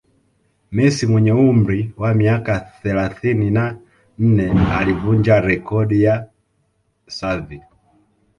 Messi mwenye umri wa miaka thelathini na nne alivunja rekodi ya Xavi